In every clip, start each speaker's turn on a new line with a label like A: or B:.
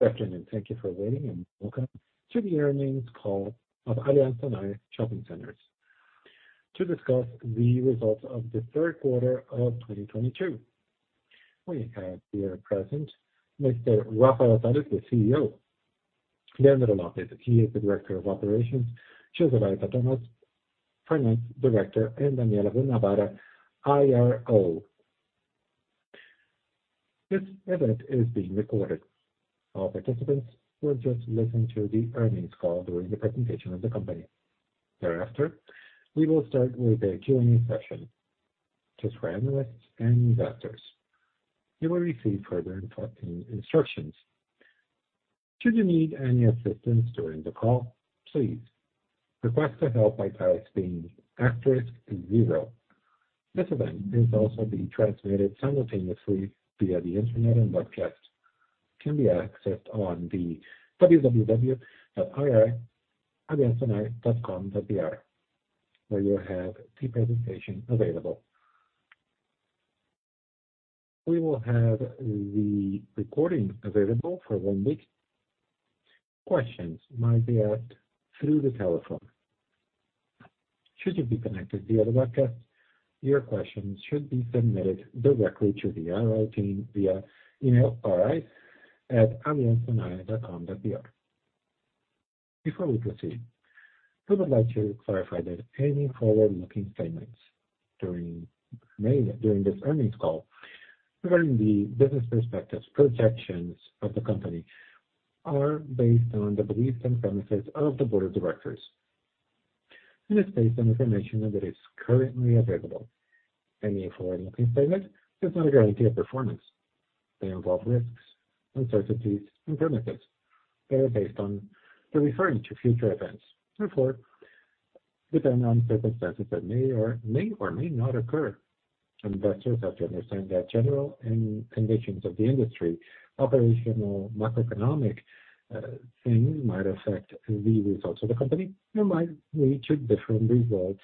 A: Good afternoon. Thank you for waiting, and welcome to the earnings call of Aliansce Sonae Shopping Centers to discuss the results of the third quarter of 2022. We have here present Mr. Rafael Sales, the CEO. Leandro Lopes, he is the Director of Operations. José Baeta, Finance Director, and Daniella Guanabara, IRO. This event is being recorded. All participants will just listen to the earnings call during the presentation of the company. Thereafter, we will start with a Q&A session to analysts and investors. You will receive further instructions. Should you need any assistance during the call, please request the help by pressing asterisk zero. This event is also being transmitted simultaneously via the Internet, and webcast can be accessed on the www.ir.alianscesonae.com.br, where you have the presentation available. We will have the recording available for one week. Questions might be asked through the telephone. Should you be connected via the webcast, your questions should be submitted directly to the IR team via email ri@alianscesonae.com.br. Before we proceed, we would like to clarify that any forward-looking statements during this earnings call regarding the business perspectives, projections of the company are based on the beliefs and premises of the board of directors, and it's based on information that is currently available. Any forward-looking statement is not a guarantee of performance. They involve risks, uncertainties, and premises that are based on the reference to future events, therefore depend on circumstances that may or may not occur. Investors have to understand that general economic conditions of the industry, operational, macroeconomic, things might affect the results of the company and might lead to different results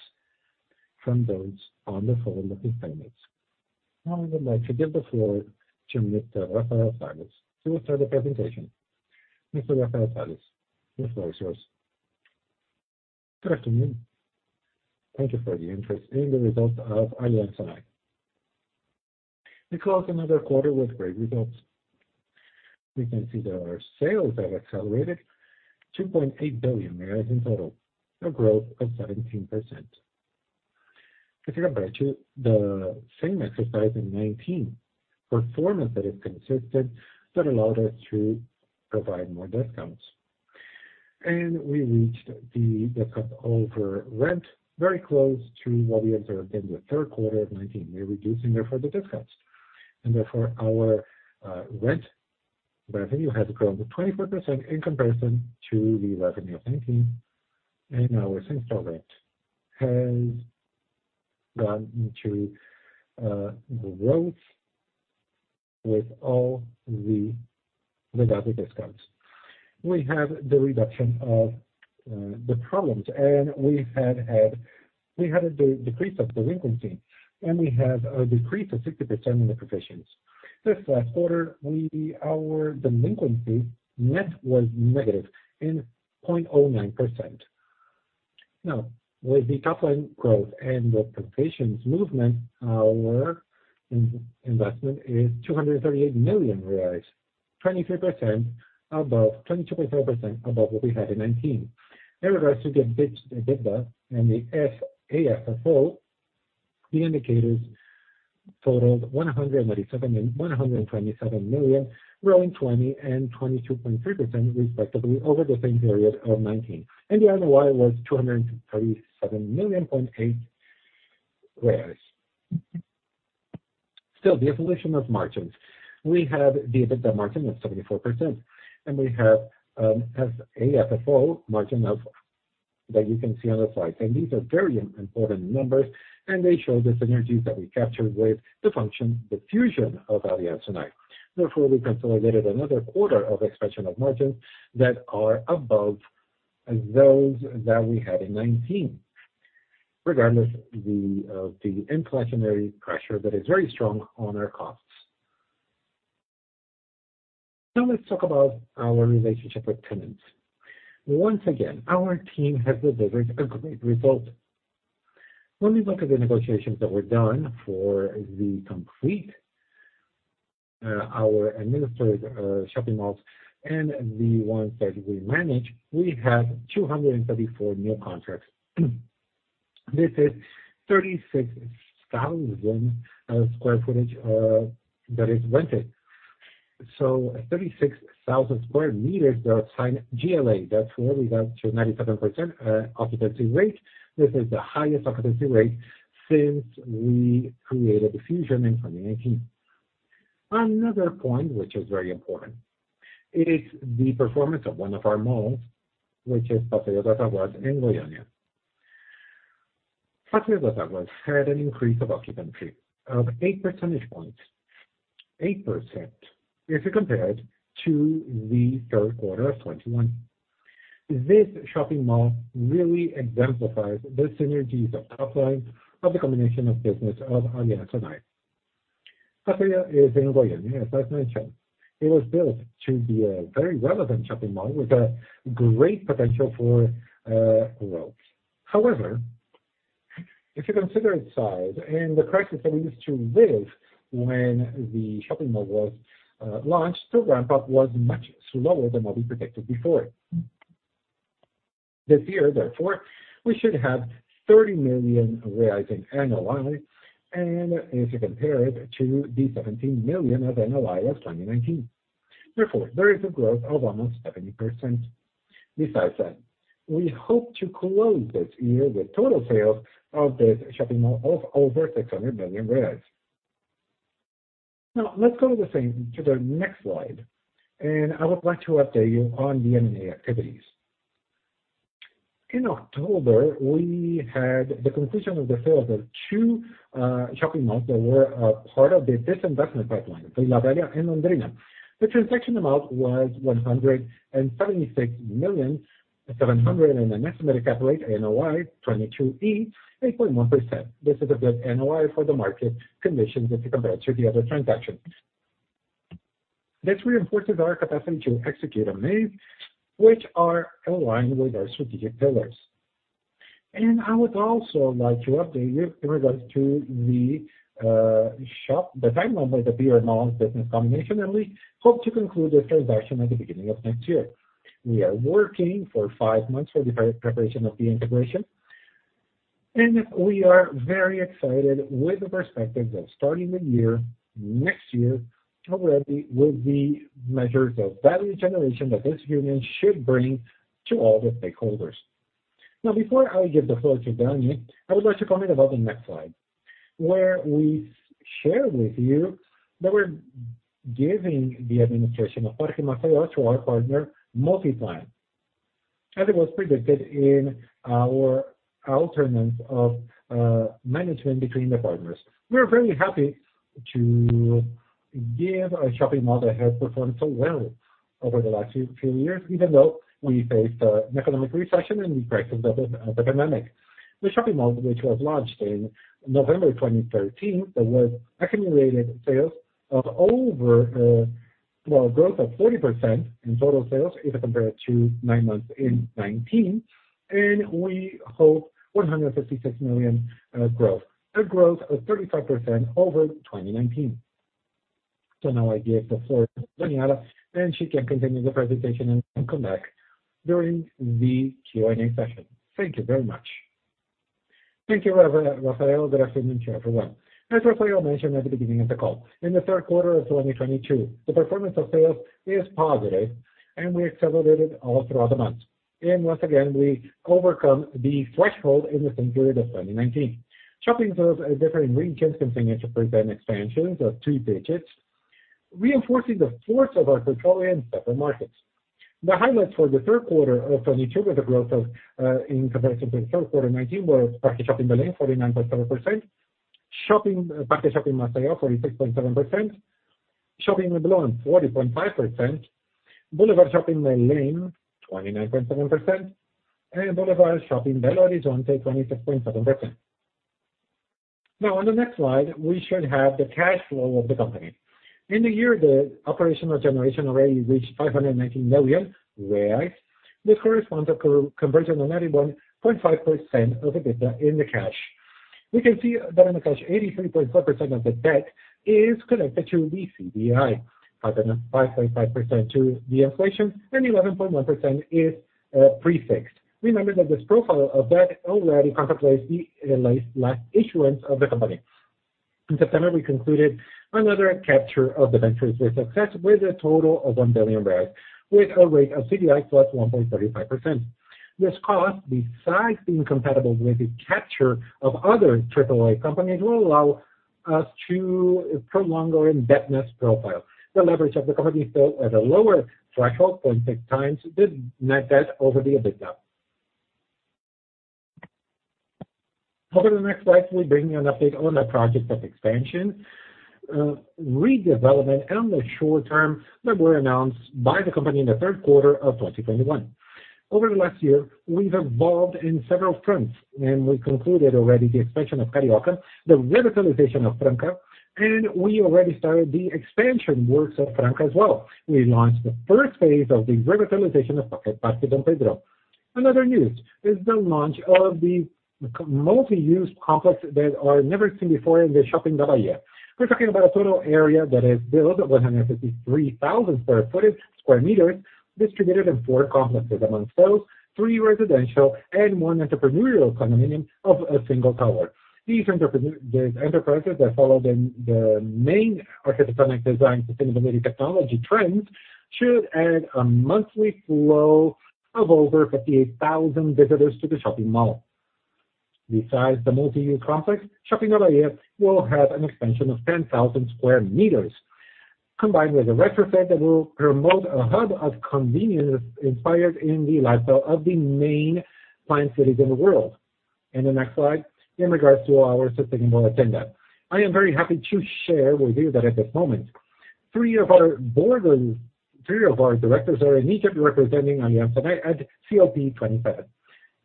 A: from those on the forward-looking statements. Now, I would like to give the floor to Mr. Rafael Sales who will start the presentation. Mr. Rafael Sales, the floor is yours.
B: Good afternoon. Thank you for the interest in the results of Aliansce. We close another quarter with great results. We can see that our sales have accelerated 2.8 billion in total, a growth of 17% if you compare to the same quarter in 2019. Performance that is consistent that allowed us to provide more discounts. We reached the discount over rent very close to what we observed in the third quarter of 2019. We're reducing therefore the discounts. Therefore our rent revenue has grown to 24% in comparison to the revenue of 2019, and our same-store rent has gone to growth without the discounts. We have the reduction of the problems, and we had a decrease of delinquency, and we have a decrease of 60% in the provisions. This last quarter, our delinquency net was negative 0.09%. Now, with the top-line growth and the provisions movement, our investment is BRL 238 million, 22.4% above what we had in 2019. In regards to the EBITDA and the AFFO, the indicators totaled 127 million, growing 20% and 22.3% respectively over the same period of 2019. The NOI was 237.8 million. Still, the evolution of margins. We have the EBITDA margin of 74%, and we have AFFO margin of that you can see on the slide. These are very important numbers, and they show the synergies that we captured with the merger, the fusion of Aliansce Sonae. Therefore, we consolidated another quarter of expansion of margins that are above those that we had in 2019, regardless of the inflationary pressure that is very strong on our costs. Now, let's talk about our relationship with tenants. Once again, our team has delivered a great result. When we look at the negotiations that were done for the complete our administered shopping malls and the ones that we manage, we have 234 new contracts. This is 36,000 square footage that is rented. So 36,000 square meters that signed GLA. That's where we got to 97% occupancy rate. This is the highest occupancy rate since we created the fusion in 2019. Another point which is very important is the performance of one of our malls, which is Passeio das Águas in Goiânia. Passeio das Águas had an increase of occupancy of 8% points. 8% if you compare it to the third quarter of 2021. This shopping mall really exemplifies the synergies of offline of the combination of business of Aliansce and Passeio das Águas is in Goiânia. As mentioned, it was built to be a very relevant shopping mall with a great potential for growth. However, if you consider its size and the crisis that we used to live when the shopping mall was launched, the ramp-up was much slower than what we predicted before. This year, therefore, we should have 30 million in NOI. If you compare it to the 17 million of NOI of 2019, therefore there is a growth of almost 70%. Besides that, we hope to close this year with total sales of this shopping mall of over 600 million. Now let's go to the next slide, and I would like to update you on the M&A activities. In October, we had the conclusion of the sale of the two shopping malls that were part of the disinvestment pipeline, Vila Velha and Londrina. The transaction amount was 176.7 million, and an estimated CAP rate on NOI 2023 of 8.1%. This is a good NOI for the market conditions if you compare it to the other transactions. This reinforces our capacity to execute on deals which are aligned with our strategic pillars. I would also like to update you in regards to the brMalls, the time when the brMalls announced business combination, and we hope to conclude this transaction at the beginning of next year. We are working for five months for the preparation of the integration, and we are very excited with the perspective of starting the year, next year already, with the measures of value generation that this union should bring to all the stakeholders. Now, before I give the floor to Dani, I would like to comment about the next slide, where we share with you that we're giving the administration of Parque Shopping Maceió to our partner, Multiplan, as it was predicted in our alternation of management between the partners. We are very happy to give a shopping mall that has performed so well over the last few years, even though we faced an economic recession and the crisis of the pandemic. The shopping mall, which was launched in November 2013, there was accumulated sales growth of 40% in total sales if you compare it to nine months in 2019, and we had 156 million growth of 35% over 2019. Now I give the floor to Daniella, and she can continue the presentation and come back during the Q&A session. Thank you very much.
C: Thank you, Rafael. Good afternoon to everyone. As Rafael mentioned at the beginning of the call, in the third quarter of 2022 the performance of sales is positive, and we accelerated all throughout the month. Once again, we overcome the threshold in the same period of 2019. Shopping sales in different regions continue to present expansions of three digits, reinforcing the strength of our portfolio in several markets. The highlights for the third quarter of 2022 with the growth of in comparison to the third quarter 2019 were Parque Shopping Belém, 49.7%. Parque Shopping Maceió, 46.7%. Shopping Vila Velha, 40.5%. Boulevard Shopping Limeira, 29.7%. Boulevard Shopping Belo Horizonte, 26.7%. Now on the next slide, we should have the cash flow of the company. In the year, the operational generation already reached 519 million. This corresponds to conversion of 91.5% of EBITDA to cash. We can see that in the cash, 83.4% of the debt is connected to the CDI. 5.5% to the inflation, and 11.1% is prefixed. Remember that this profile of debt already contemplates the last issuance of the company. In September, we concluded another capture of debentures with success with a total of 1 billion with a rate of CDI + 1.35%. This cost, besides being compatible with the capture of other AAA companies, will allow us to prolong our indebtedness profile. The leverage of the company is still at a lower threshold 0.6x the net debt over the EBITDA. Over the next slide, we bring you an update on the projects of expansion, redevelopment, and the short-term that were announced by the company in the third quarter of 2021. Over the last year, we've evolved in several fronts, and we concluded already the expansion of Carioca, the revitalization of Franca, and we already started the expansion works of Franca as well. We launched the first phase of the revitalization of Parque Dom Pedro Shopping. Another news is the launch of the multi-use complex that are never seen before in the Shopping da Bahia. We're talking about a total area that is built of 153,000 square meters distributed in four complexes, among those, three residential and one entrepreneurial condominium of a single tower. These enterprises that follow the main architectonic design sustainability technology trends should add a monthly flow of over 58,000 visitors to the shopping mall. Besides the multi-use complex, Shopping da Bahia will have an expansion of 10,000 sq m, combined with a retrofit that will promote a hub of convenience inspired in the lifestyle of the main planned cities in the world. The next slide, in regards to our sustainable agenda. I am very happy to share with you that at this moment three of our directors are in Egypt representing Aliansce Sonae at COP 27.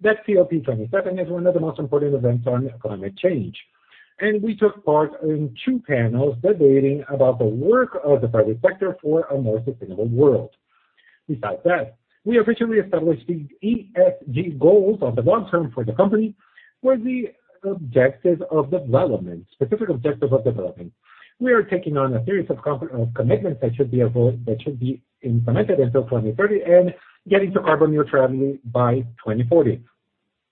C: That COP 27 is one of the most important events on climate change, and we took part in 2 panels debating about the work of the private sector for a more sustainable world. Besides that, we officially established the ESG goals on the long term for the company were the objectives of development, specific objectives of development. We are taking on a series of commitments that should be implemented until 2030 and getting to carbon neutrality by 2040.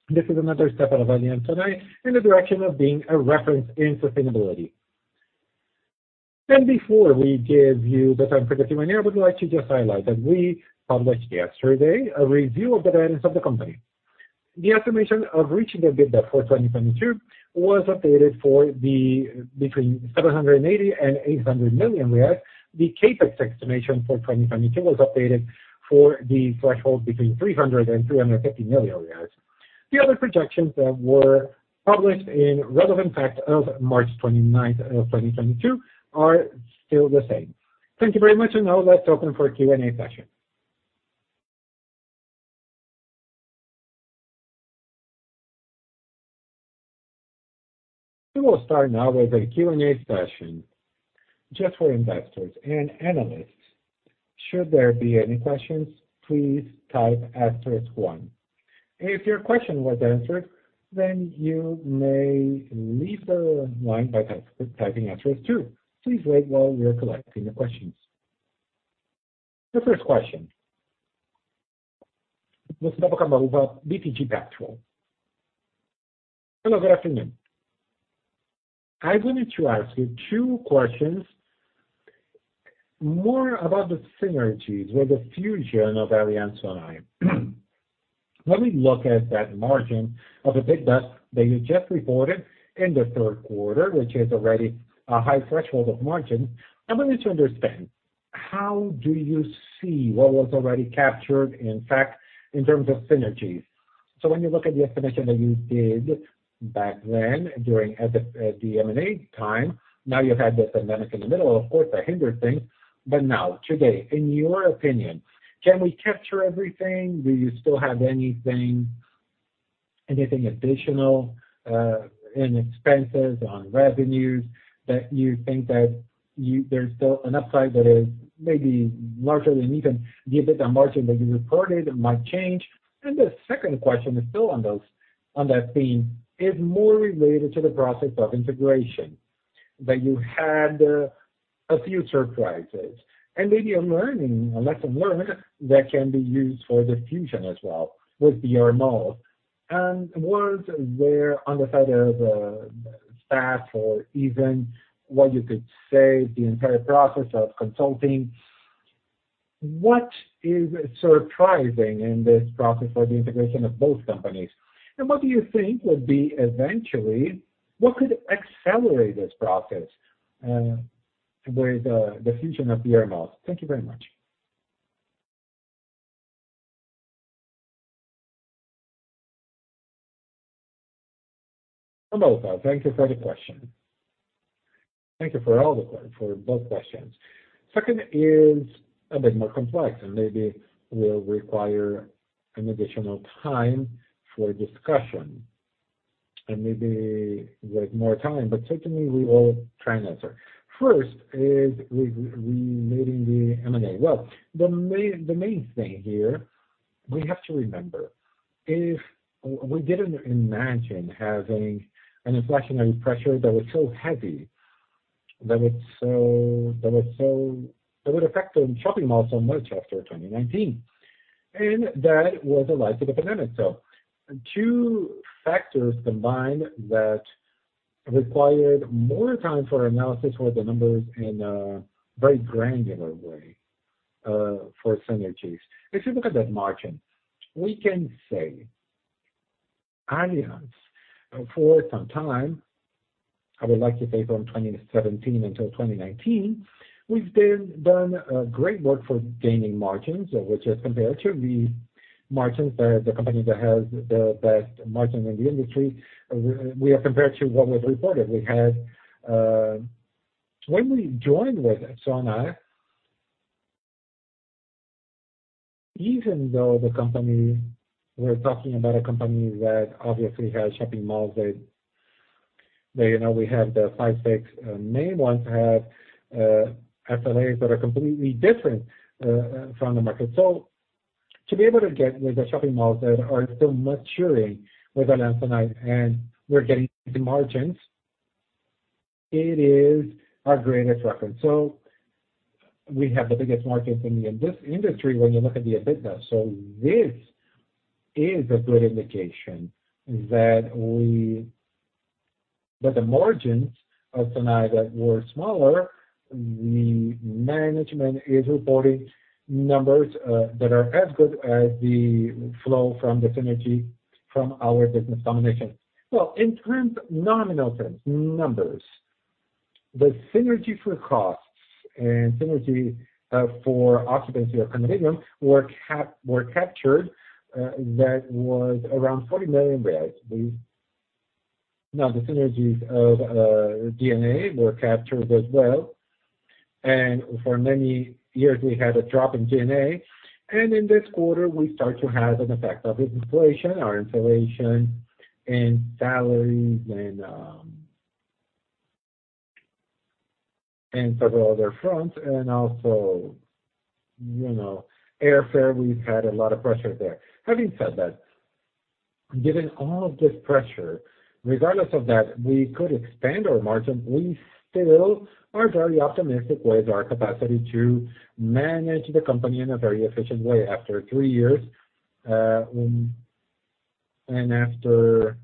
C: This is another step of Aliansce Sonae in the direction of being a reference in sustainability. Before we give you the time for the Q&A, I would like to just highlight that we published yesterday a review of the events of the company. The estimation of reaching the EBITDA for 2022 was updated to between 780 million and 800 million. The CapEx estimation for 2022 was updated to the threshold between 300 million and 350 million. The other projections that were published in relevant fact of March 29, 2022 are still the same. Thank you very much, and now let's open for Q&A session.
A: We will start now with the Q&A session just for investors and analysts. Should there be any questions, please type asterisk one. If your question was answered, then you may leave the line by typing asterisk two. Please wait while we are collecting the questions. The first question. Mr. Gustavo Cambauva, BTG Pactual.
D: Hello, good afternoon. I wanted to ask you two questions more about the synergies with the fusion of Aliansce Sonae. When we look at that margin of the EBITDA that you just reported in the third quarter, which is already a high threshold of margin, I wanted to understand how do you see what was already captured, in fact, in terms of synergies. When you look at the estimation that you did back then during the M&A time, now you had this pandemic in the middle, of course, that hindered things. Now, today, in your opinion, can we capture everything? Do you still have anything additional in expenses, on revenues that you think that there's still an upside that is maybe larger than even the EBITDA margin that you reported might change? The second question is still on those on that theme, is more related to the process of integration, that you had a few surprises. Maybe a learning, a lesson learned that can be used for the merger as well with brMalls. Was there on the side of staff or even what you could say the entire process of consulting, what is surprising in this process for the integration of both companies? What do you think would be eventually what could accelerate this process with the merger of brMalls? Thank you very much. Hello, sir.
B: Thank you for the question. Thank you for both questions. Second is a bit more complex and maybe will require an additional time for discussion and maybe with more time, but certainly we will try and answer. First is regarding the M&A. Well, the main thing here we have to remember is we didn't imagine having an inflationary pressure that was so heavy that would affect the shopping malls so much after 2019. And that was the life of the pandemic. Two factors combined that required more time for analysis for the numbers in a very granular way for synergies. If you look at that margin, we can say Aliansce for some time. I would like to say from 2017 until 2019, we've been done a great work for gaining margins, which is compared to the margins that the company that has the best margin in the industry. We are compared to what was reported. When we joined with Sonae, even though the company, we're talking about a company that obviously has shopping malls that you know we have the 5, 6 main ones have G&As that are completely different from the market. To be able to get with the shopping malls that are still maturing with Aliansce and we're getting the margins, it is our greatest reference. We have the biggest margins in the industry when you look at the EBITDA. This is a good indication that the margins of Sonae that were smaller, the management is reporting numbers that are as good as the flow from the synergy from our business combination. In terms, nominal terms, numbers, the synergy for costs and synergy for occupancy or condominium were captured, that was around 40 million. Now the synergies of G&A were captured as well. For many years we had a drop in G&A. In this quarter we start to have an effect of this inflation, our inflation in salaries and several other fronts. Also, you know, airfare, we've had a lot of pressure there. Having said that, given all of this pressure, regardless of that, we could expand our margin. We still are very optimistic with our capacity to manage the company in a very efficient way after three years, and after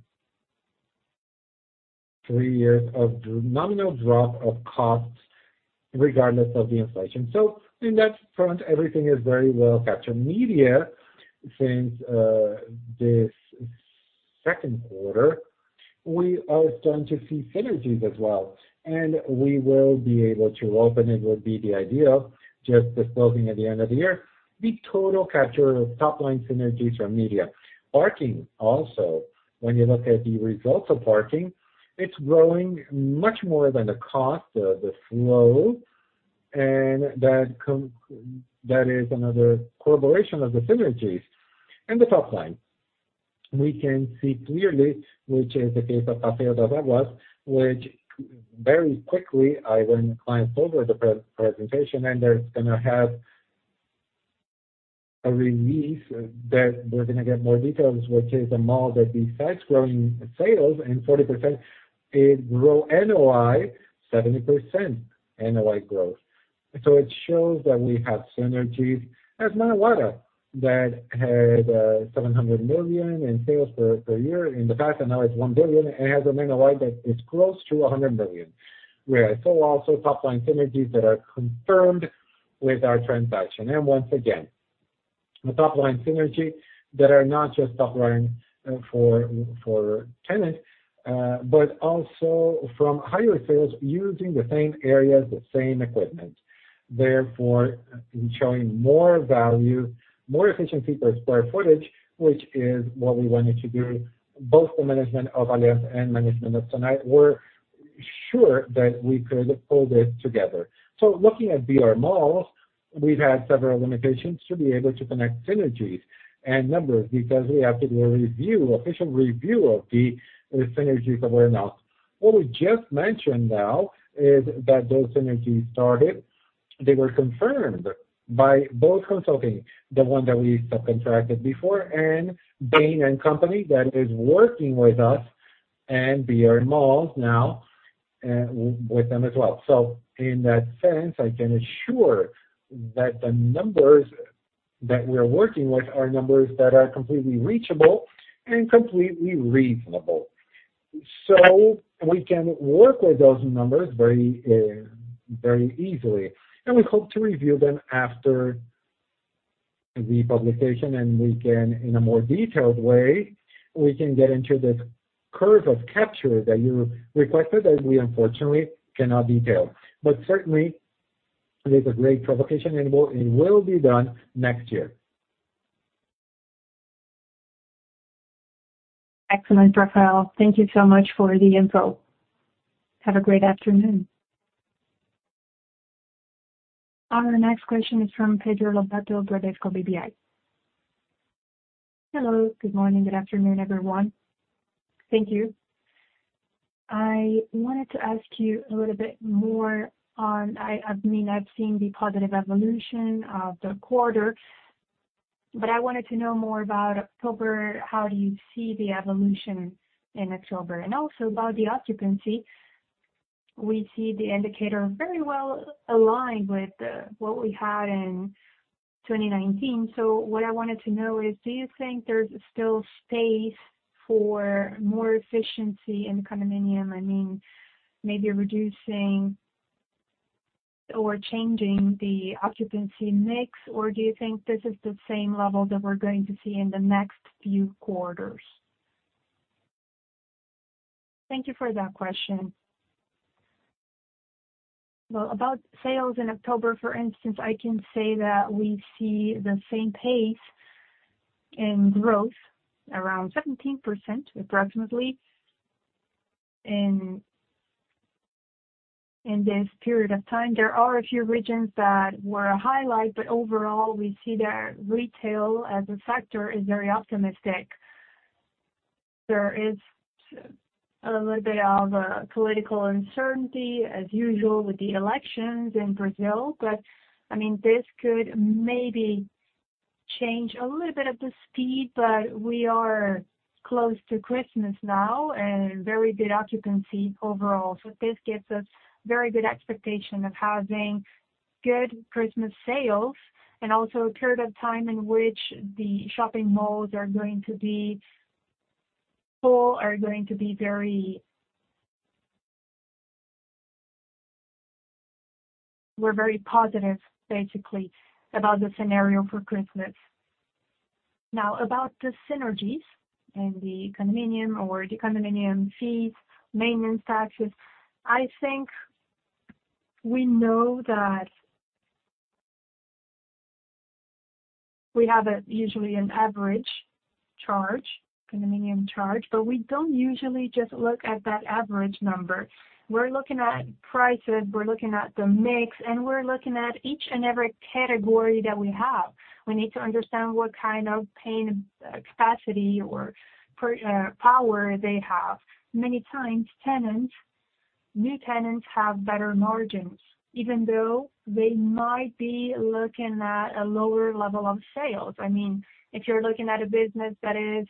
B: three years of nominal drop of costs regardless of the inflation. In that front, everything is very well captured. Media, since this second quarter, we are starting to see synergies as well. We will be able to open, it would be the idea of just disclosing at the end of the year, the total capture of top line synergies from media. Parking also, when you look at the results of parking, it's growing much more than the cost, the flow. That is another correlation of the synergies. In the top line, we can see clearly, which is the case of Passeio das Águas, which very quickly I run clients over the pre-presentation and they're gonna have a release that we're gonna get more details, which is the mall that besides growing sales 40% it grow NOI 70% NOI growth. It shows that we have synergies. As Manauara that had seven hundred million in sales per year in the past, and now it's one billion, and has an NOI that is close to a hundred million. Where so also top line synergies that are confirmed with our transaction. Once again, the top line synergy that are not just top line for tenant, but also from higher sales using the same areas, the same equipment. Therefore, showing more value, more efficiency per square footage, which is what we wanted to do. Both the management of Aliansce and management of brMalls were sure that we could pull this together. Looking at brMalls, we've had several limitations to be able to connect synergies and numbers because we have to do a review, official review of the synergies that we announce. What we just mentioned now is that those synergies started. They were confirmed by both consulting, the one that we subcontracted before and Bain & Company that is working with us and brMalls now, with them as well. In that sense, I can assure that the numbers that we're working with are numbers that are completely reachable and completely reasonable. We can work with those numbers very, very easily. We hope to review them after the publication, and we can in a more detailed way, we can get into this curve of capture that you requested that we unfortunately cannot detail. Certainly it is a great provocation and will, it will be done next year.
D: Excellent, Rafael. Thank you so much for the info. Have a great afternoon.
A: Our next question is from Pedro Lobato of Bradesco BBI.
E: Hello. Good morning. Good afternoon, everyone. Thank you. I wanted to ask you a little bit more. I mean, I've seen the positive evolution of the quarter. I wanted to know more about October, how do you see the evolution in October? Also about the occupancy. We see the indicator very well aligned with what we had in 2019. What I wanted to know is, do you think there's still space for more efficiency in condominium? I mean, maybe reducing or changing the occupancy mix, or do you think this is the same level that we're going to see in the next few quarters? Thank you for that question.
B: Well, about sales in October, for instance, I can say that we see the same pace in growth around 17% approximately in this period of time. There are a few regions that were a highlight, but overall, we see that retail as a sector is very optimistic. There is a little bit of a political uncertainty as usual with the elections in Brazil. I mean, this could maybe change a little bit of the speed, but we are close to Christmas now and very good occupancy overall. This gives us very good expectation of having good Christmas sales and also a period of time in which the shopping malls are going to be full. We're very positive basically about the scenario for Christmas. Now about the synergies and the condominium fees, maintenance taxes, I think we know that. We have a usually an average charge, condominium charge, but we don't usually just look at that average number. We're looking at prices, we're looking at the mix, and we're looking at each and every category that we have. We need to understand what kind of paying capacity or purchasing power they have. Many times, tenants, new tenants have better margins, even though they might be looking at a lower level of sales. I mean, if you're looking at a business that is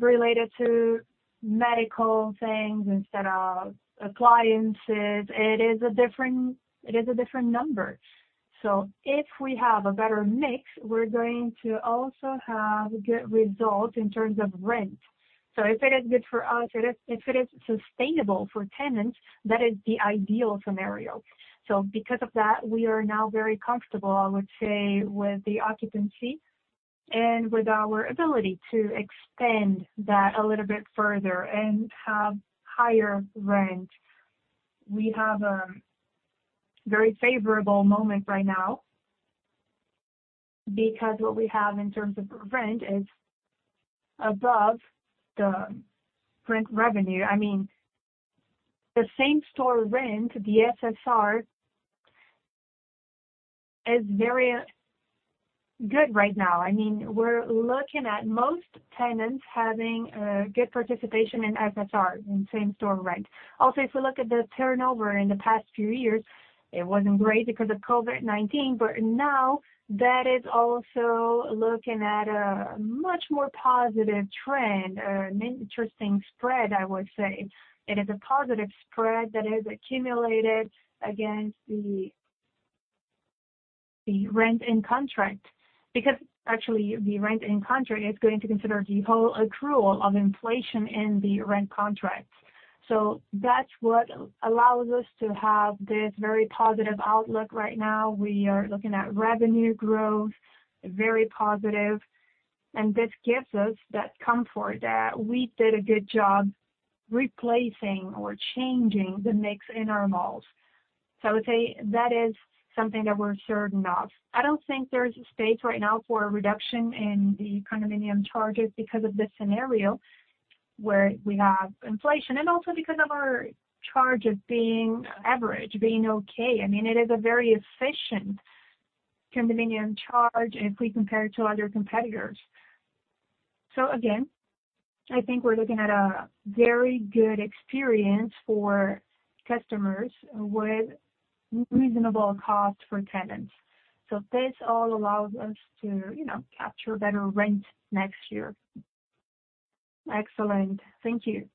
B: related to medical things instead of appliances, it is a different number. If we have a better mix, we're going to also have good results in terms of rent. If it is good for us, it is sustainable for tenants, that is the ideal scenario. Because of that, we are now very comfortable, I would say, with the occupancy and with our ability to extend that a little bit further and have higher rent. We have a very favorable moment right now because what we have in terms of rent is above the rent revenue. I mean, the same-store rent, the SSR, is very good right now. I mean, we're looking at most tenants having good participation in SSR, in same-store rent. Also, if we look at the turnover in the past few years, it wasn't great because of COVID-19. Now that is also looking at a much more positive trend or an interesting spread, I would say. It is a positive spread that has accumulated against the rent in contract. Actually the rent in contract is going to consider the whole accrual of inflation in the rent contract. That's what allows us to have this very positive outlook right now. We are looking at revenue growth, very positive. This gives us that comfort that we did a good job replacing or changing the mix in our malls. I would say that is something that we're certain of. I don't think there's a space right now for a reduction in the condominium charges because of this scenario where we have inflation and also because of our charge of being average, being okay. I mean, it is a very efficient condominium charge if we compare to other competitors. Again, I think we're looking at a very good experience for customers with reasonable cost for tenants. This all allows us to, you know, capture better rent next year.
E: Excellent. Thank you.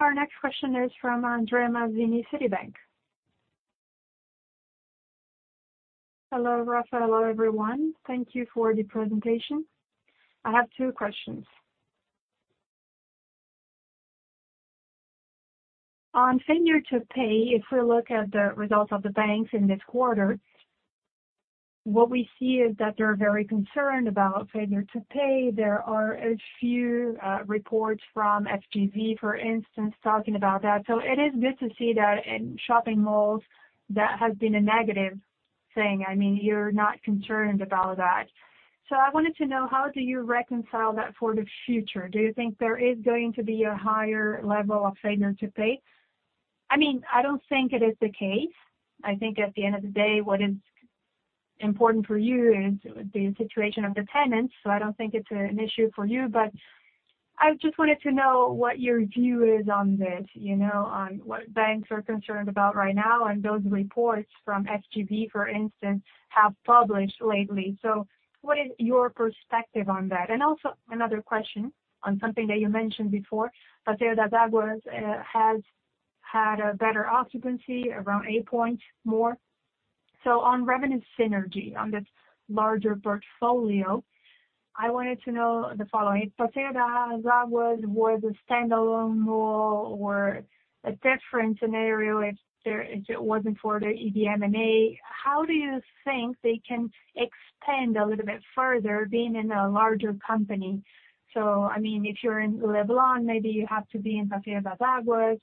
A: Our next question is from André Mazini, Citibank.
F: Hello, Rafa. Hello, everyone. Thank you for the presentation. I have two questions. On failure to pay, if we look at the results of the banks in this quarter, what we see is that they're very concerned about failure to pay. There are a few reports from Serasa, for instance, talking about that. It is good to see that in shopping malls, that has been a negative thing. I mean, you're not concerned about that. I wanted to know, how do you reconcile that for the future? Do you think there is going to be a higher level of failure to pay? I mean, I don't think it is the case. I think at the end of the day, what is important for you is the situation of dependence. I don't think it's an issue for you. I just wanted to know what your view is on this, you know, on what banks are concerned about right now and those reports from FGV, for instance, have published lately. What is your perspective on that? Another question on something that you mentioned before. Passeio das Águas has had a better occupancy around 8% more. On revenue synergy on this larger portfolio, I wanted to know the following. If Passeio das Águas was a standalone mall or a different scenario, if it wasn't for the M&A, how do you think they can expand a little bit further being in a larger company? I mean, if you're in Leblon, maybe you have to be in Passeio das Águas.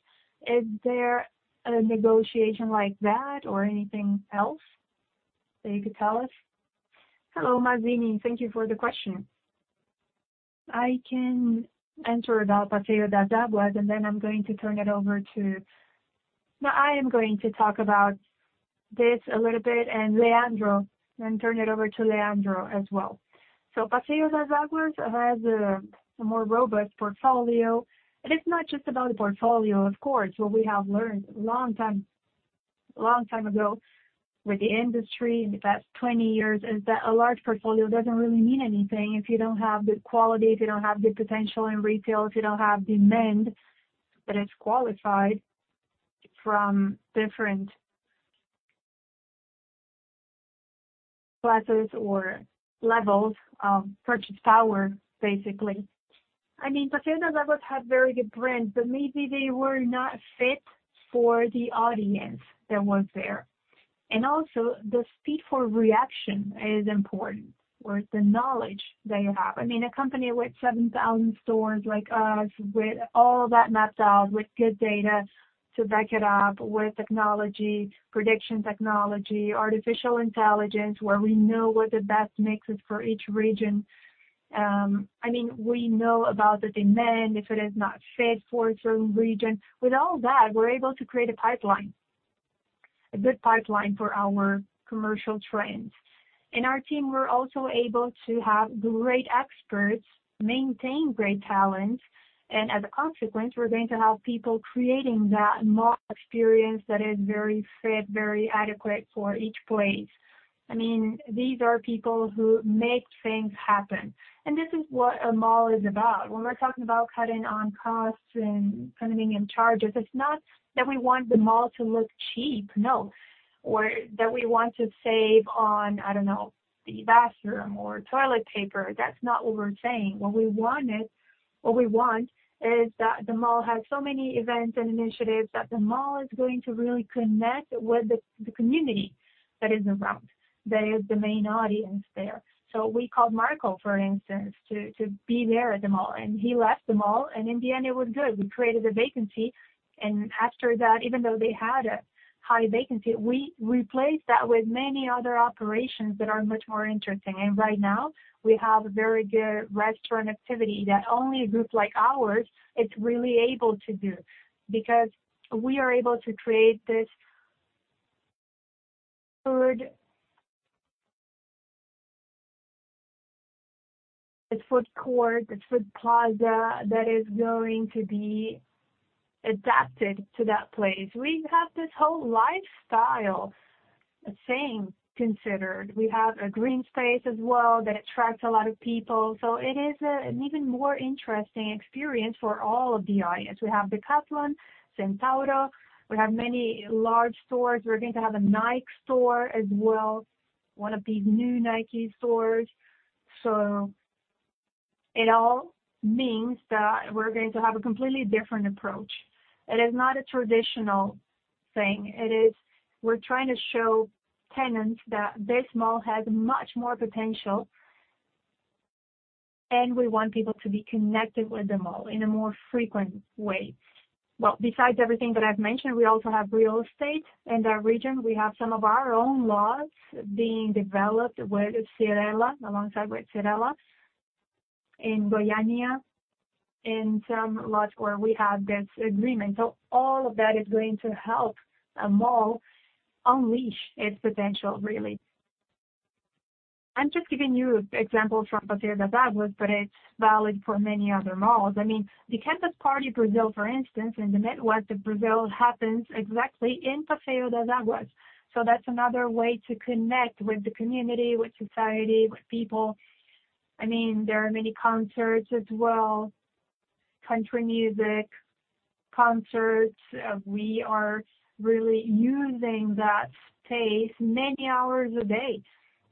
F: Is there a negotiation like that or anything else that you could tell us?
B: Hello, Mazini. Thank you for the question. I can answer about Passeio das Águas, and I am going to talk about this a little bit and Leandro, then turn it over to Leandro as well. Passeio das Águas has a more robust portfolio, and it's not just about the portfolio. Of course, what we have learned a long time ago with the industry in the past 20 years is that a large portfolio doesn't really mean anything if you don't have good quality, if you don't have good potential in retail, if you don't have demand that is qualified from different classes or levels of purchase power, basically. I mean, Passeio das Águas had very good brands, but maybe they were not fit for the audience that was there. Also the speed for reaction is important or the knowledge that you have. I mean, a company with 7,000 stores like us, with all that mapped out, with good data to back it up, with technology, prediction technology, artificial intelligence, where we know what the best mix is for each region. I mean, we know about the demand, if it is not fit for a certain region. With all that, we're able to create a pipeline, a good pipeline for our commercial tenants. In our team, we're also able to have great experts retain great talent, and as a consequence, we're going to have people creating that mall experience that is very fit, very adequate for each place. I mean, these are people who make things happen, and this is what a mall is about. When we're talking about cutting costs and trimming expenses, it's not that we want the mall to look cheap. No. Or that we want to save on, I don't know, the bathroom or toilet paper. That's not what we're saying. What we want is that the mall has so many events and initiatives that the mall is going to really connect with the community that is around. That is the main audience there. We called Marco, for instance, to be there at the mall, and he left the mall, and in the end it was good. We created a vacancy, and after that, even though they had a high vacancy, we replaced that with many other operations that are much more interesting. Right now we have a very good restaurant activity that only a group like ours is really able to do because we are able to create this good food court, the food plaza that is going to be adapted to that place. We have this whole lifestyle thing considered. We have a green space as well that attracts a lot of people. It is an even more interesting experience for all of the audience. We have Decathlon, Centauro. We have many large stores. We're going to have a Nike store as well, one of these new Nike stores. It all means that we're going to have a completely different approach. It is not a traditional thing. It is we're trying to show tenants that this mall has much more potential, and we want people to be connected with the mall in a more frequent way. Well, besides everything that I've mentioned, we also have real estate in our region. We have some of our own lots being developed with Cyrela, alongside with Cyrela in Goiânia, in some lots where we have this agreement. All of that is going to help a mall unleash its potential, really. I'm just giving you examples from Passeio das Águas, but it's valid for many other malls. I mean, the Campus Party Brasil, for instance, in the Midwest of Brazil, happens exactly in Passeio das Águas. That's another way to connect with the community, with society, with people. I mean, there are many concerts as well, country music concerts. We are really using that space many hours a day.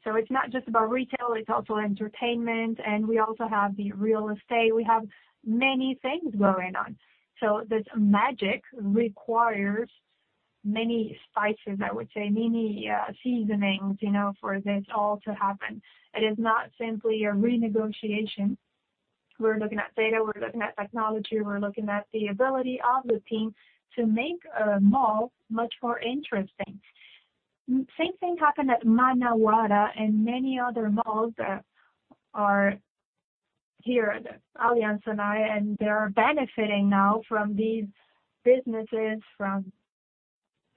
B: It's not just about retail, it's also entertainment. And we also have the real estate. We have many things going on. This magic requires many spices, I would say, many seasonings, you know, for this all to happen. It is not simply a renegotiation. We're looking at data, we're looking at technology, we're looking at the ability of the team to make a mall much more interesting. Same thing happened at Manauara and many other malls that are here at Aliansce Sonae, and they are benefiting now from these businesses, from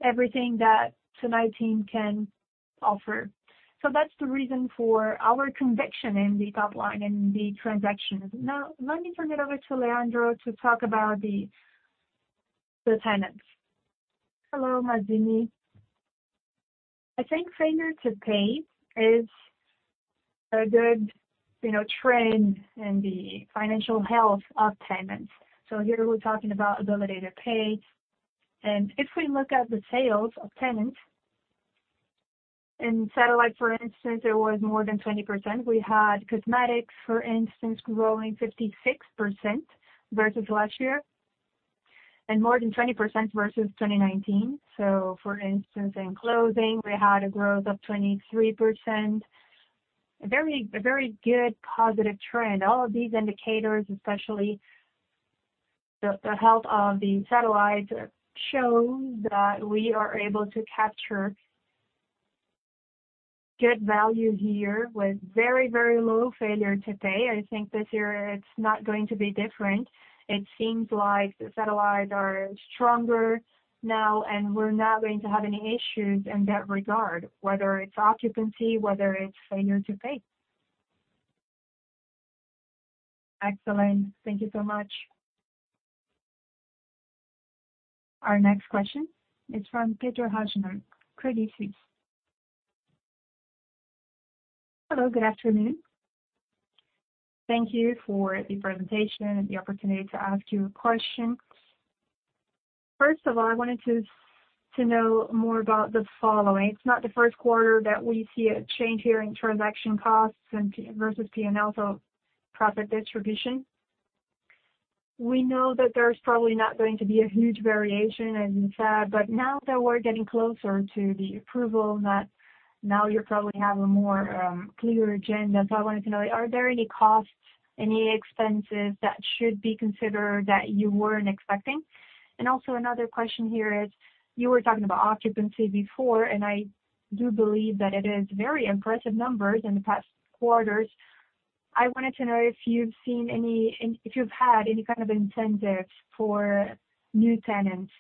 B: everything that the in-house team can offer. That's the reason for our conviction in the top line and the transactions. Now let me turn it over to Leandro to talk about the tenants.
G: Hello, Mazini. I think failure to pay is a good, you know, trend in the financial health of tenants. Here we're talking about ability to pay. If we look at the sales of tenants in satellite, for instance, it was more than 20%. We had cosmetics, for instance, growing 56% versus last year and more than 20% versus 2019. For instance, in clothing we had a growth of 23%. A very good positive trend. All of these indicators, especially the health of the satellites, show that we are able to capture good value here with very low failure to pay. I think this year it's not going to be different. It seems like the satellites are stronger now and we're not going to have any issues in that regard, whether it's occupancy, whether it's failure to pay.
F: Excellent. Thank you so much.
A: Our next question is from Pedro Hajnal, Credit Suisse.
H: Hello, good afternoon. Thank you for the presentation and the opportunity to ask you a question. First of all, I wanted to know more about the following. It's not the first quarter that we see a change here in transaction costs and P&L versus P&L, so profit distribution. We know that there's probably not going to be a huge variation as you said, but now that we're getting closer to the approval, now you probably have a more clearer agenda. So I wanted to know, are there any costs, any expenses that should be considered that you weren't expecting? Another question here is, you were talking about occupancy before, and I do believe that it is very impressive numbers in the past quarters. I wanted to know if you have had any kind of incentives for new tenants.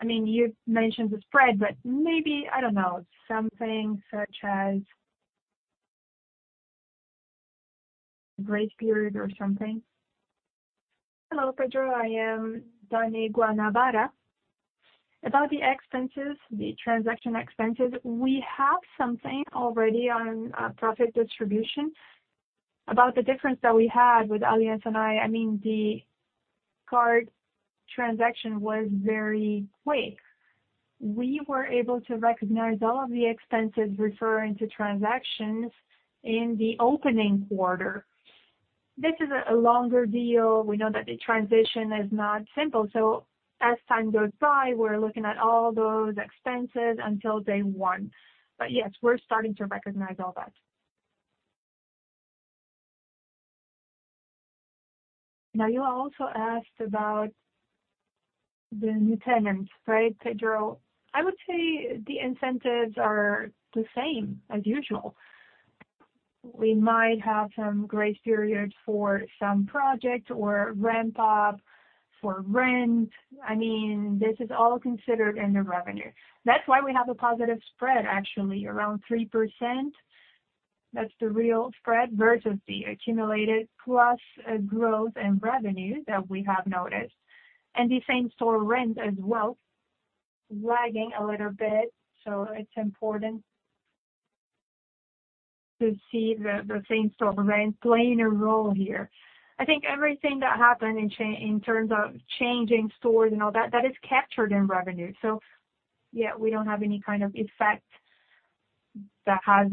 H: I mean, you have mentioned the spread, but maybe, I do not know, something such as grace period or something.
C: Hello, Pedro. I am Daniella Guanabara. About the expenses, the transaction expenses, we have something already on profit distribution. About the difference that we had with Aliansce, I mean, the Aliansce transaction was very quick. We were able to recognize all of the expenses referring to transactions in the opening quarter. This is a longer deal. We know that the transition is not simple, so as time goes by, we are looking at all those expenses until day one. Yes, we're starting to recognize all that. Now, you also asked about the new tenants, right, Pedro? I would say the incentives are the same as usual. We might have some grace periods for some projects or ramp up for rent. I mean, this is all considered in the revenue. That's why we have a positive spread actually around 3%. That's the real spread versus the accumulated plus growth and revenue that we have noticed. The same-store rent as well lagging a little bit, so it's important to see the same-store rent playing a role here. I think everything that happened in terms of changing stores and all that is captured in revenue. Yeah, we don't have any kind of effect that has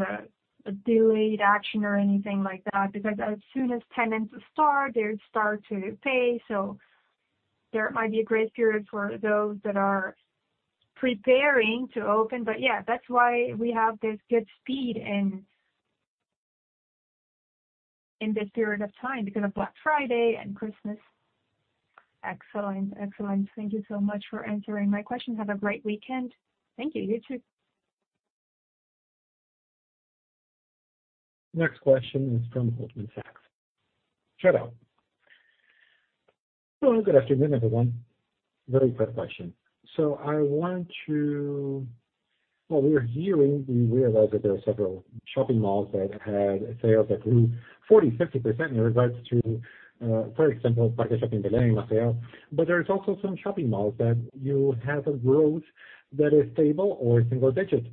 C: a delayed action or anything like that, because as soon as tenants start, they start to pay. There might be a grace period for those that are preparing to open. Yeah, that's why we have this good speed in this period of time because of Black Friday and Christmas.
H: Excellent. Thank you so much for answering my questions. Have a great weekend.
C: Thank you. You too.
A: Next question is from Jorel Guilloty, Goldman Sachs. Shout out.
I: Hello, good afternoon, everyone. Very quick question. What we're hearing, we realize that there are several shopping malls that had sales that grew 40, 50% in regards to, for example, Parque Shopping Belém and Parque Shopping Maceió. There is also some shopping malls that you have a growth that is stable or single digits.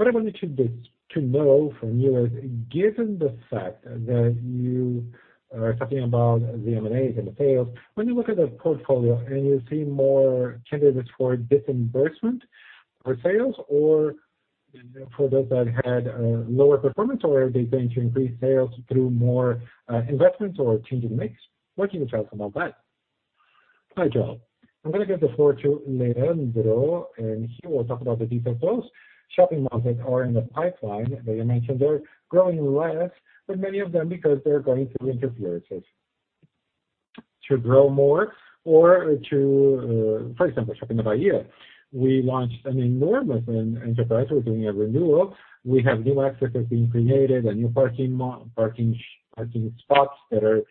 I: What I wanted to know from you is, given the fact that you are talking about the M&As and the sales, when you look at the portfolio and you see more candidates for disposition for sales or for those that had lower performance or are they going to increase sales through more investments or change in mix? What can you tell us about that?
B: Hi, Jorel. I'm gonna give the floor to Leandro, and he will talk about the details. Those shopping malls that are in the pipeline that you mentioned, they're growing less, but many of them because they're going through interference to grow more or to. For example, Shopping da Bahia, we launched an enormous enterprise. We're doing a renewal. We have new accesses being created and new parking spots that are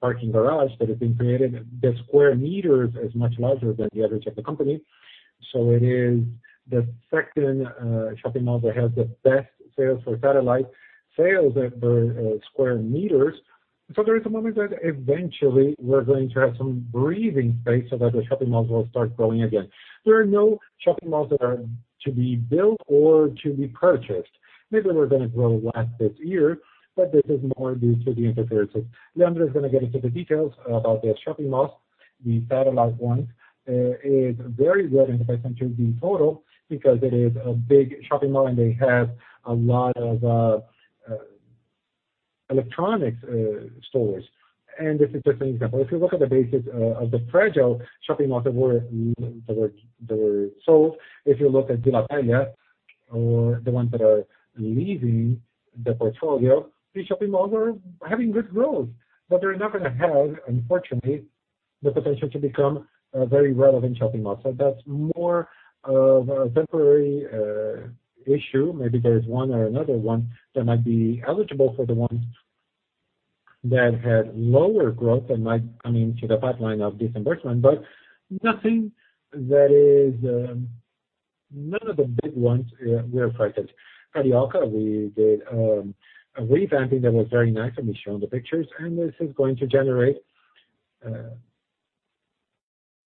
B: parking garage that have been created. The square meters is much larger than the others at the company. It is the second shopping mall that has the best sales per square meters. There is a moment that eventually we're going to have some breathing space so that the shopping malls will start growing again. There are no shopping malls that are to be built or to be purchased. Maybe we're gonna grow less this year, but this is more due to the interferences. Leandro is gonna get into the details about the shopping malls, the satellite ones. It's very well in the percentage in total because it is a big shopping mall, and they have a lot of electronics stores. This is just an example. If you look at the basis of the fringe shopping malls that were sold. If you look at Vila Velha or the ones that are leaving the portfolio, these shopping malls are having good growth, but they're not gonna have, unfortunately, the potential to become a very relevant shopping mall. That's more of a temporary issue. Maybe there is one or another one that might be eligible for the ones that had lower growth and might come into the pipeline of development. Nothing that is. None of the big ones were affected. Carioca, we did a revamping that was very nice, and we showed the pictures, and this is going to generate.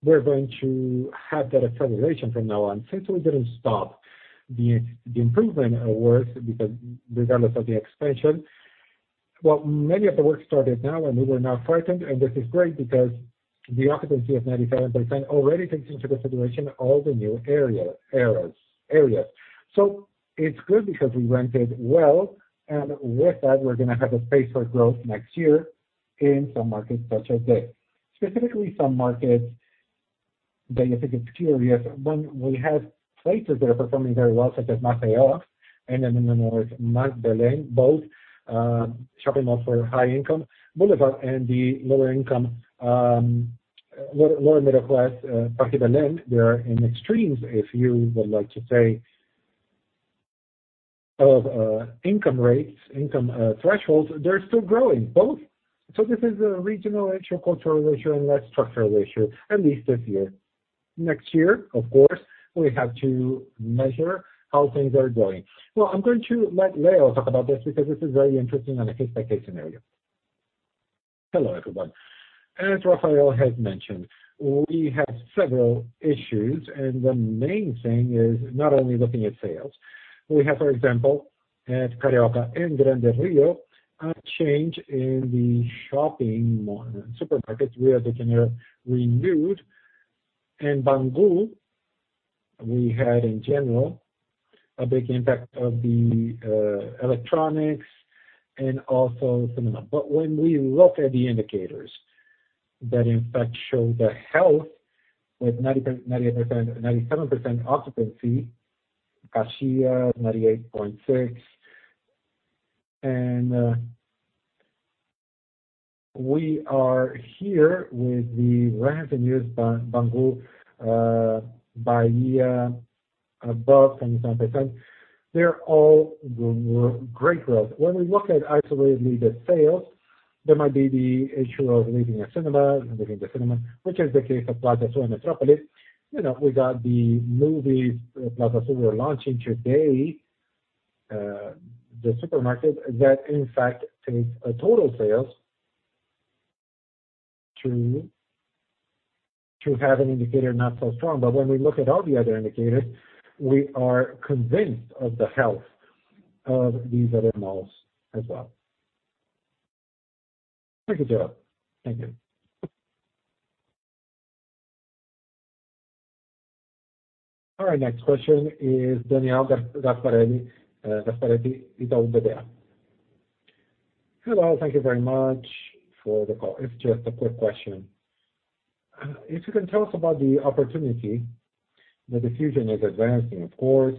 B: We're going to have that acceleration from now on. Since we didn't stop the improvement works because regardless of the expansion. Well, many of the work started now and we were not frightened, and this is great because the occupancy of 97% already takes into consideration all the new areas. So it's good because we rented well, and with that, we're gonna have a space for growth next year in some markets such as this. Specifically, some markets that you think it's curious when we have places that are performing very well, such as Maceió. In the north, Parque Belém, both shopping malls for high income Boulevard and the lower income, lower middle class, Parque Belém. They are in extremes, if you would like to say, of income rates, income thresholds. They're still growing, both. This is a regional cultural issue and less structural issue, at least this year. Next year, of course, we have to measure how things are going. Well, I'm going to let Leo talk about this because this is very interesting on a case-by-case scenario.
G: Hello, everyone. As Rafael has mentioned, we have several issues. The main thing is not only looking at sales. We have, for example, at Carioca Shopping and Shopping Grande Rio, a change in the shopping mall supermarkets where they can be renewed. In Bangu Shopping, we had in general a big impact of the electronics and also cinema. When we look at the indicators that in fact show the health with 99%, 97% occupancy, Caxias Shopping 98.6%. We are here with the rents in Bangu Shopping da Bahia above 27%. They're all great growth. When we look at isolated LFL sales, there might be the issue of leaving a cinema, which is the case of Plaza Sul Shopping Metrópole. You know, we got the movies Plaza Sul Shopping are launching today, the supermarket that in fact takes total sales to have an indicator not so strong. But when we look at all the other indicators, we are convinced of the health of these other malls as well.
I: Thank you, Leandro.
G: Thank you.
A: All right, next question is Daniel Gasparete, Itaú BBA.
J: Hello. Thank you very much for the call. It's just a quick question. If you can tell us about the opportunity, the diffusion is advancing of course.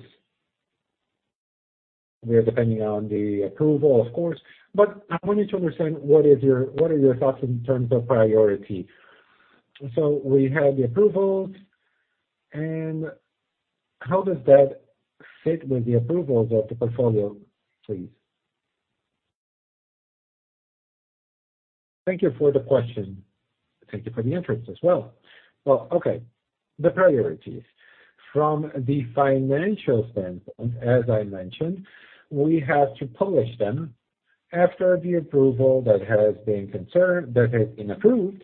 J: We are depending on the approval of course, but I want you to understand what are your thoughts in terms of priority. We have the approvals and how does that fit with the approvals of the portfolio, please? Thank you for the question.
B: Thank you for the interest as well. Well, okay. The priorities. From the financial standpoint, as I mentioned, we have to publish them after the approval that has been approved.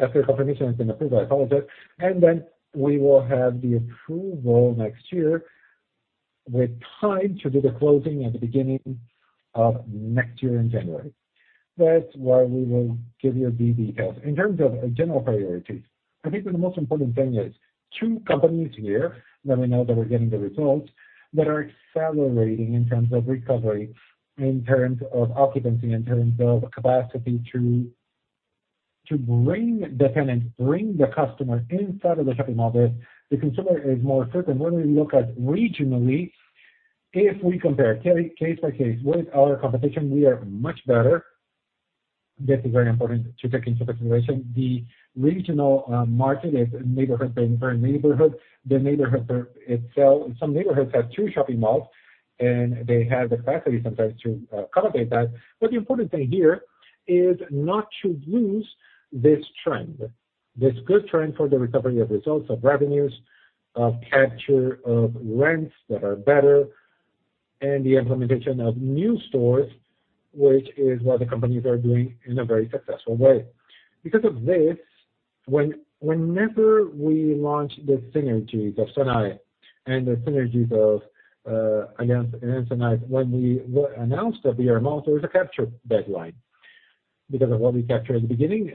B: After the permission has been approved, I apologize. Then we will have the approval next year with time to do the closing at the beginning of next year in January. That's why we will give you the details. In terms of general priorities, I think that the most important thing is two companies here that we know that we're getting the results that are accelerating in terms of recovery, in terms of occupancy, in terms of capacity to bring the tenant, bring the customer inside of the shopping mall. The consumer is more certain. When we look at regionally, if we compare case by case with our competition, we are much better. That is very important to take into consideration. The regional market is neighborhood by neighborhood. The neighborhood itself. Some neighborhoods have two shopping malls, and they have the capacity sometimes to accommodate that. The important thing here is not to lose this trend, this good trend for the recovery of results, of revenues, of capture, of rents that are better, and the implementation of new stores, which is what the companies are doing in a very successful way. Because of this, whenever we launch the synergies of Sonae and the synergies of Sonae, when we announced the merger, there was a capture deadline. Because of what we captured at the beginning,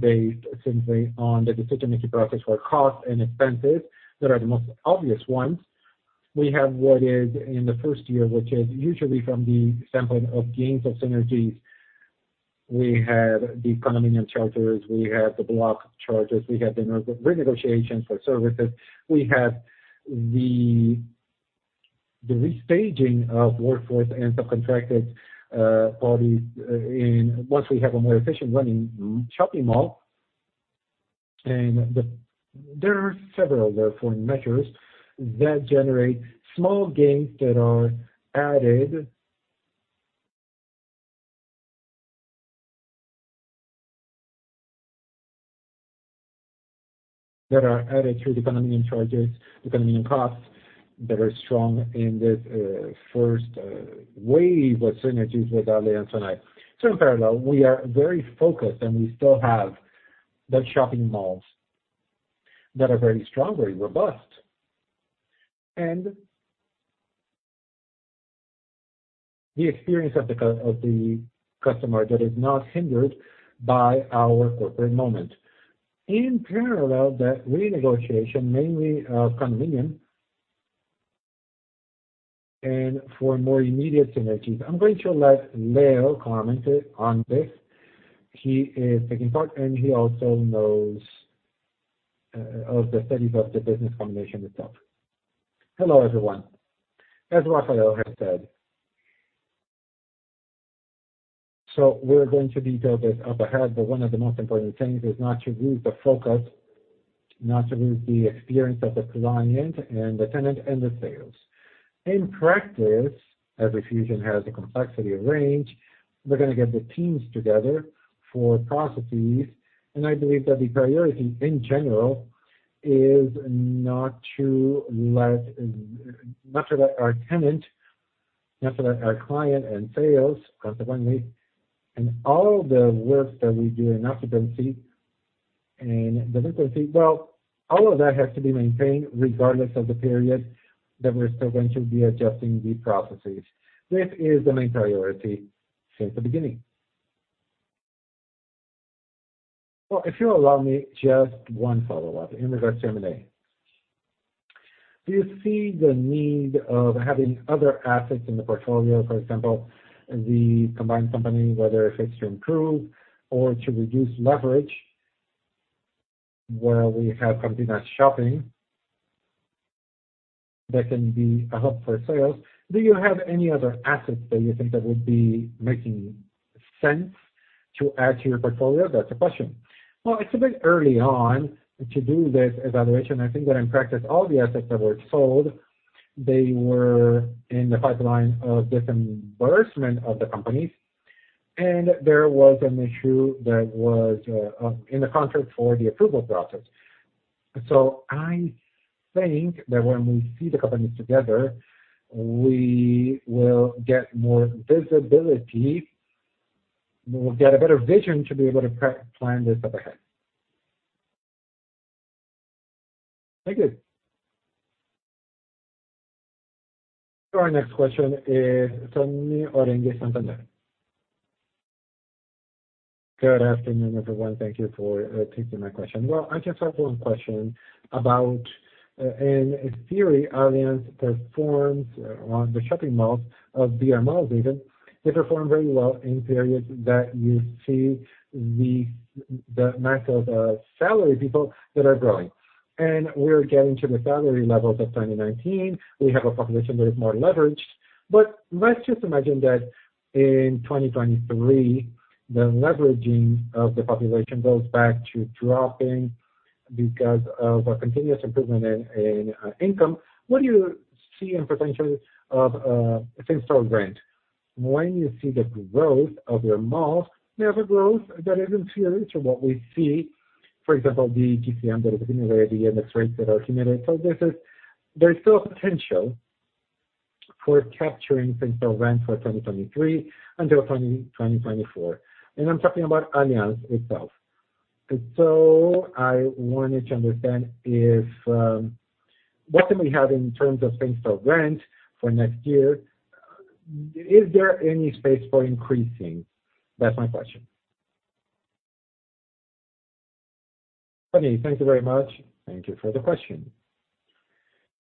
B: based simply on the decision-making process for cost and expenses that are the most obvious ones. We have what is in the first year, which is usually from the simple gains of synergies. We have the condominium charges. We have the block charges. We have the renegotiations for services. We have the restructuring of workforce and subcontracted parties once we have a more efficient running shopping mall. There are several therefore measures that generate small gains that are added through the condominium charges, the condominium costs that are strong in this first wave of synergies with Aliansce Sonae. In parallel, we are very focused, and we still have the shopping malls that are very strong, very robust. The experience of the customer that is not hindered by our corporate moment. In parallel, that renegotiation, mainly of condominium and for more immediate synergies. I'm going to let Leo comment on this. He is taking part, and he also knows of the studies of the business combination itself.
G: Hello, everyone. As Rafael has said, we're going to detail this up ahead, but one of the most important things is not to lose the focus, not to lose the experience of the client and the tenant and the sales. In practice, every merger has a complexity of range. We're gonna get the teams together for processes, and I believe that the priority in general is not to let our tenant, our client and sales consequently, and all the work that we do in occupancy and frequency. Well, all of that has to be maintained regardless of the period that we're still going to be adjusting the processes. This is the main priority since the beginning. Well, if you allow me just one follow-up in regards to M&A. Do you see the need of having other assets in the portfolio, for example, the combined company, whether if it's to improve or to reduce leverage where we have shopping companies that can be a hub for sales? Do you have any other assets that you think that would be making sense to add to your portfolio? That's the question. Well, it's a bit early on to do this evaluation. I think that in practice, all the assets that were sold, they were in the pipeline of disinvestment of the companies. There was an issue that was in the contract for the approval process. I think that when we see the companies together, we will get more visibility. We'll get a better vision to be able to plan this up ahead.
J: Thank you.
A: Our next question is Antonio Oleaga, Santander. Good afternoon, everyone.
K: Thank you for taking my question. Well, I just have one question about in theory, Aliansce performs on the shopping malls of brMalls even. They perform very well in periods that you see the amount of salaried people that are growing. We're getting to the salary levels of 2019. We have a population that is more leveraged. Let's just imagine that in 2023, the leveraging of the population goes back to dropping because of a continuous improvement in income. What do you see in potential of same-store rent? When you see the growth of your malls, there's a growth that is in theory to what we see. For example, the IGP-M that is accumulated, the IPCA rates that are accumulated. This is. There's still a potential for capturing same-store rent for 2023 until 2024. I'm talking about Aliansce itself. I wanted to understand if what can we have in terms of same-store rent for next year? Is there any space for increasing? That's my question.
B: Thank you very much. Thank you for the question.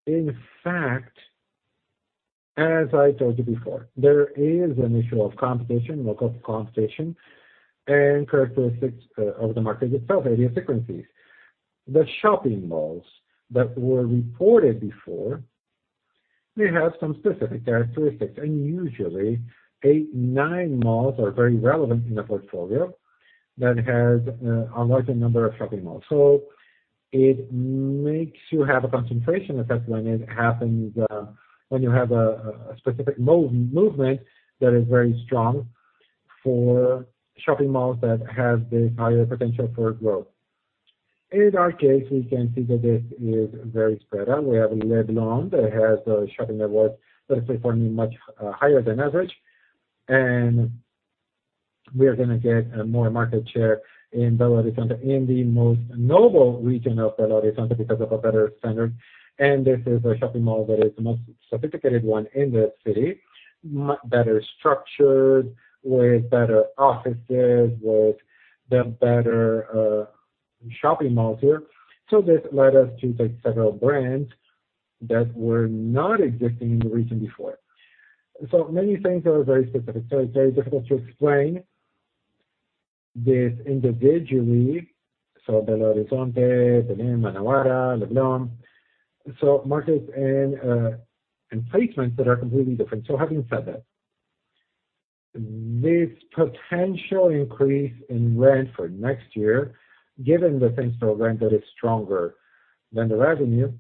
B: In fact, as I told you before, there is an issue of competition, local competition and characteristics of the market itself, area frequencies. The shopping malls that were reported before, they have some specific characteristics. Usually 8, 9 malls are very relevant in the portfolio that has unlike the number of shopping malls. It makes you have a concentration effect when it happens, when you have a specific movement that is very strong for shopping malls that have this higher potential for growth. In our case, we can see that this is very spread out. We have Leblon that has a shopping network that is performing much higher than average. We are gonna get more market share in Belo Horizonte, in the most noble region of Belo Horizonte because of a better standard. This is a shopping mall that is the most sophisticated one in the city, better structured, with better offices, with the better shopping malls here. This led us to take several brands that were not existing in the region before. Many things that are very specific. It's very difficult to explain this individually. Belo Horizonte, Belém, Manauara, Leblon. Markets and placements that are completely different. Having said that, this potential increase in rent for next year, given the same-store rent that is stronger than the revenue,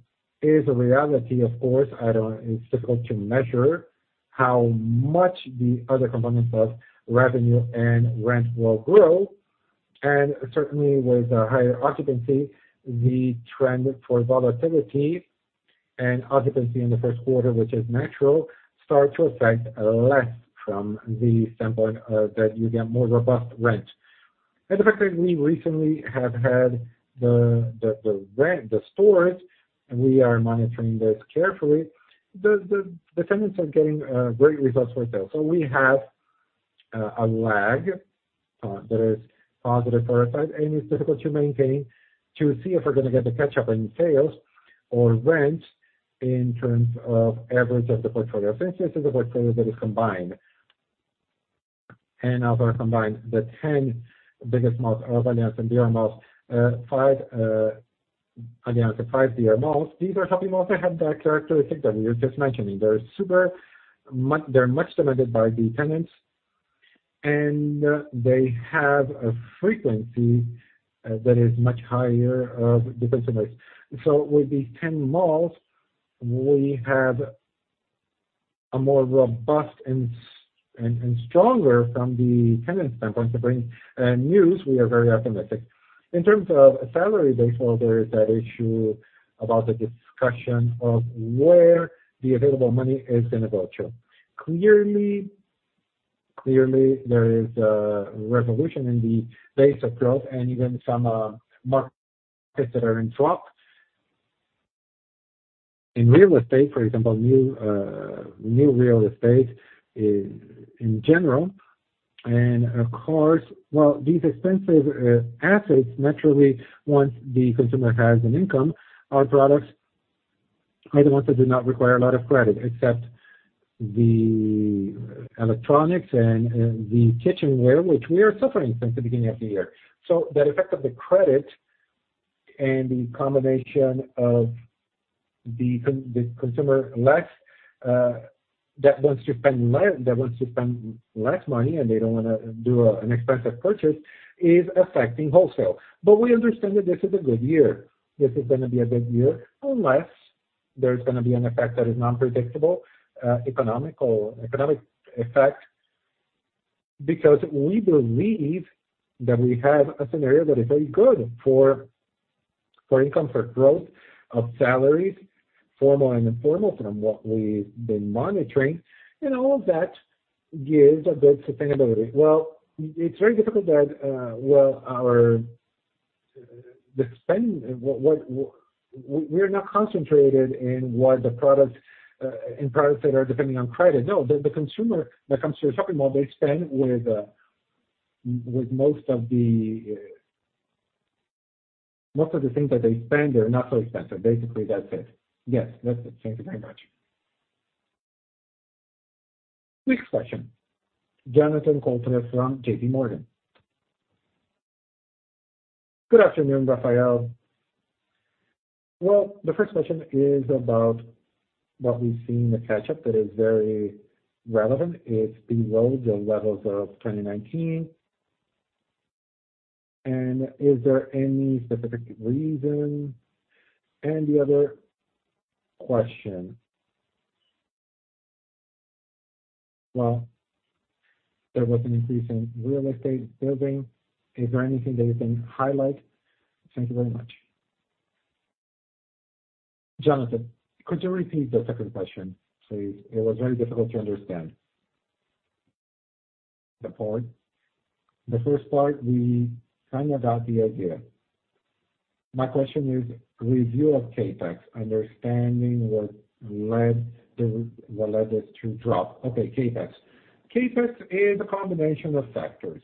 B: is a reality. Of course, it's difficult to measure how much the other components of revenue and rent will grow. Certainly with a higher occupancy, the trend for volatility and occupancy in the first quarter, which is natural, start to affect less from the standpoint of that you get more robust rent. The fact that we recently have had the rent, the stores, and we are monitoring this carefully, the tenants are getting great results for sales. We have a lag that is positive for our side, and it's difficult to say if we're gonna get the catch-up in sales or rents in terms of average of the portfolio. Since this is a portfolio that is combined. Also combined the 10 biggest malls of Aliansce and brMalls, 5 Aliansce, 5 brMalls. These are shopping malls that have that characteristic that you're just mentioning. They're much limited by the tenants, and they have a frequency that is much higher of the consumer base. With these 10 malls, we have a more robust and stronger from the tenant standpoint to bring news. We are very optimistic. In terms of sales base, there is that issue about the discussion of where the available money is gonna go to. Clearly, there is a revolution in the pace of growth and even some markets that are in swap. In real estate, for example, new real estate in general. These expensive assets naturally want the consumer has an income. Our products are the ones that do not require a lot of credit, except the electronics and the kitchenware, which we are suffering since the beginning of the year. The effect of the credit and the combination of the consumer less that wants to spend less money and they don't wanna do an expensive purchase is affecting wholesale. We understand that this is a good year. This is gonna be a good year unless there's gonna be an effect that is non-predictable, economical or economic effect. Because we believe that we have a scenario that is very good for income, for growth of salaries, formal and informal, from what we've been monitoring, and all of that gives a good sustainability. Well, it's very difficult that, well, our. The spending, we're not concentrated in what the products, in products that are depending on credit. No. The consumer that comes to a shopping mall, they spend with most of the, Most of the things that they spend, they're not so expensive. Basically, that's it.
K: Yes, that's it. Thank you very much.
A: Next question, Jonathan Koutras from JPMorgan.
L: Good afternoon, Rafael. Well, the first question is about what we've seen, the catch-up that is very relevant. It's below the levels of 2019. Is there any specific reason? The other question. Well, there was an increase in real estate building. Is there anything that you can highlight? Thank you very much.
B: Jonathan, could you repeat the second question, please? It was very difficult to understand. The part. The first part, we kinda got the idea.
L: My question is review of CapEx, understanding what led this to drop.
B: Okay, CapEx. CapEx is a combination of factors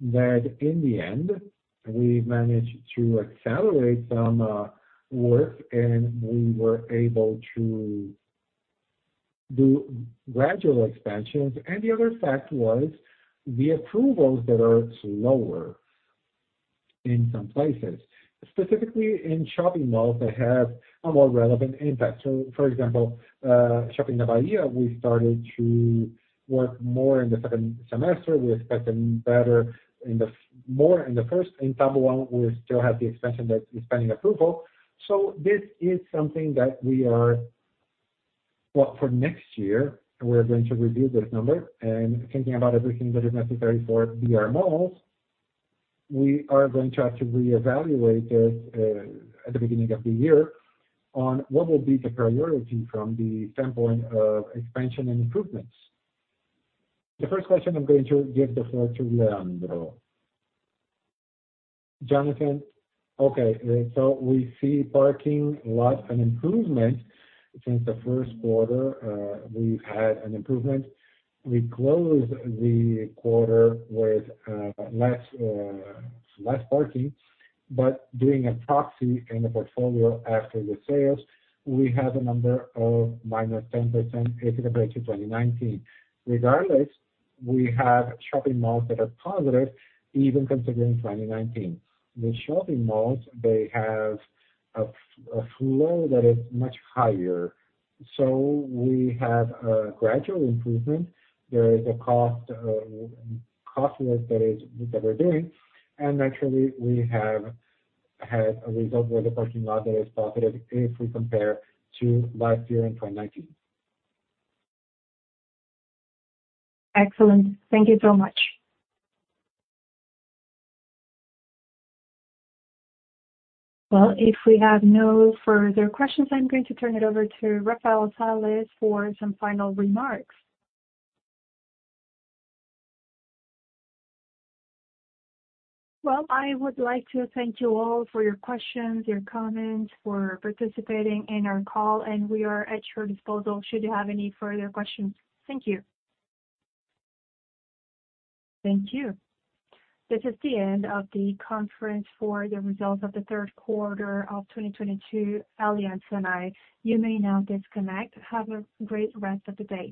B: that in the end, we managed to accelerate some work, and we were able to do gradual expansions. The other fact was the approvals that are slower in some places, specifically in shopping malls that have a more relevant impact. For example, Shopping da Bahia, we started to work more in the second semester. We're expecting more in the first. In Shopping Taboão, we still have the expansion that is pending approval. This is something that we are. Well, for next year, we're going to review this number and thinking about everything that is necessary for brMalls. We are going to have to reevaluate it, at the beginning of the year on what will be the priority from the standpoint of expansion and improvements. The first question, I'm going to give the floor to Leandro.
G: Jonathan. Okay, so we see parking lot an improvement. Since the first quarter, we had an improvement. We closed the quarter with less parking, but doing a proxy in the portfolio after the sales, we have a number of minus 10% if we compare to 2019. Regardless, we have shopping malls that are positive even considering 2019. The shopping malls, they have a flow that is much higher. We have a gradual improvement. There is a cost less that we're doing. Actually, we have had a result with the parking lot that is positive if we compare to last year in 2019.
L: Excellent. Thank you so much.
A: Well, if we have no further questions, I'm going to turn it over to Rafael Sales Guimarães for some final remarks.
B: Well, I would like to thank you all for your questions, your comments, for participating in our call, and we are at your disposal should you have any further questions. Thank you.
A: Thank you. This is the end of the conference for the results of the third quarter of 2022 Aliansce Sonae. You may now disconnect. Have a great rest of the day.